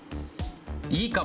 いいかも！